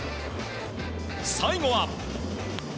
最後は。